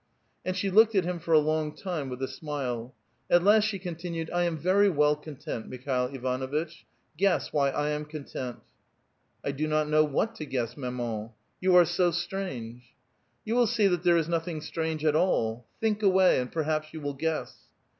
And she looked at him for a long time with a smile; at last she continued: "• 1 am very well content, Mikhail Ivanuitch ; guess why I am content." ^' I do not know what to guess, maman; you are so strange —"" You will see that there is nothing strange at all ; think away, and perhaps you will guess